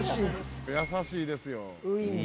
優しいですよ。